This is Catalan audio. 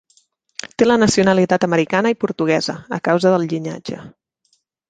Té la nacionalitat americana i portuguesa, a causa del llinatge.